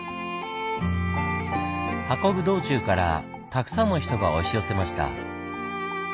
運ぶ道中からたくさんの人が押し寄せました。